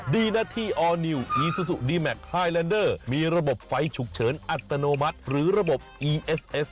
ดีนะที่ออร์นิวอีซูซูดีแมคไฮแลนเดอร์มีระบบไฟฉุกเฉินอัตโนมัติหรือระบบอีเอสเอส